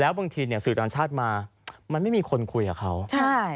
บางทีเนี่ยสื่อต่างชาติมามันไม่มีคนคุยกับเขาใช่